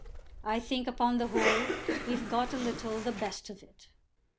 I think upon the whole we've got a little the best of it."